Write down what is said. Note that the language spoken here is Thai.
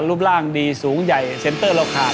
รูปร่างดีสูงใหญ่เซ็นเตอร์เราขาด